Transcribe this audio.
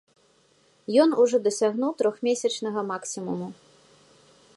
Ён ужо дасягнуў трохмесячнага максімуму.